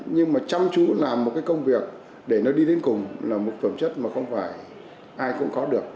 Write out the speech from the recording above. nhưng mà chăm chú làm một cái công việc để nó đi đến cùng là một phẩm chất mà không phải ai cũng có được